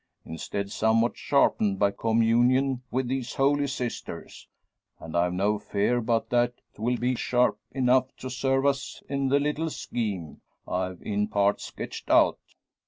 Instead, somewhat sharpened by communion with these Holy Sisters; and I've no fear but that 'twill be sharp enough to serve us in the little scheme I've in part sketched out."